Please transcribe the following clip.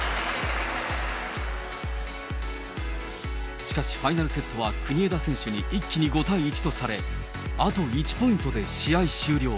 しかしファイナルセットは国枝選手に一気に５対１とされ、あと１ポイントで試合終了。